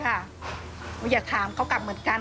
ที่มันก็มีเรื่องที่ดิน